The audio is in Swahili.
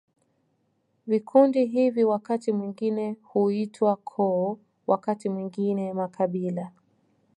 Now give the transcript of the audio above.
Vikundi hivi wakati mwingine huitwa koo, wakati mwingine makabila.